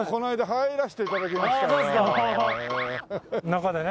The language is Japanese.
中でね。